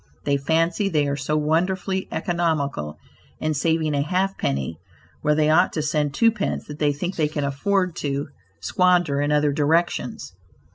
They fancy they are so wonderfully economical in saving a half penny where they ought to spend twopence, that they think they can afford to squander in other directions.